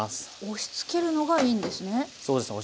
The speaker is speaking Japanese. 押しつけるのがいいんですね。